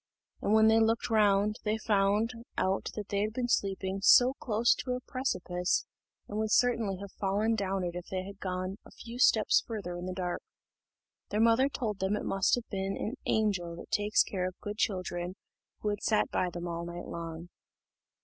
And when they looked round, they found out that they had been sleeping close to a precipice, and would certainly have fallen down it if they had gone a few steps farther in the dark. Their mother told them it must have been the angel that takes care of good children who had sat by them all night long.